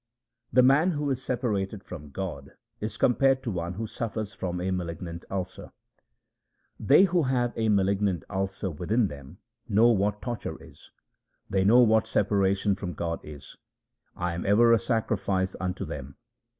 The man who is separated from God is compared to one who suffers from a malignant ulcer :— They who have a malignant 1 ulcer within them know what torture is. They know what separation from God is ; I am ever a sacrifice unto them.